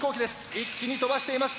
一気に飛ばしています。